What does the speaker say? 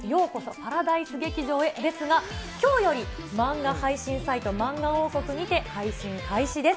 パラダイス劇場へですが、きょうより漫画配信サイト、まんが王国で配信開始です。